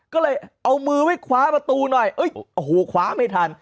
ก็เลยเอามือไว้คว้าประตูหน่อยโอ้โหคว้าไม่ทัน